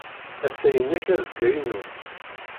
Assa inek, azekka inu.